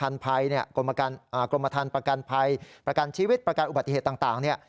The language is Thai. ในกรมธรรมพัยประกันชีวิตประกันอุบัติเหตุต่าง